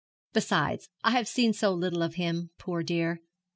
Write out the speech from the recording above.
Besides, I have seen so little of him, poor dear.